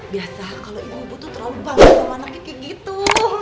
biasa kalo ibu ibu tuh terlalu bangga sama anak ibu gitu